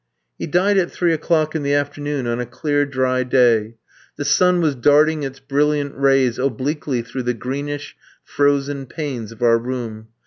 He died at three o'clock in the afternoon on a clear, dry day. The sun was darting its brilliant rays obliquely through the greenish, frozen panes of our room.